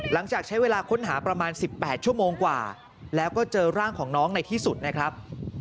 หลังจากใช้เวลาค้นหาประมาณ๑๘ชั่วโมงกว่าแล้วก็เจอร่างของน้องในที่สุดนะครับ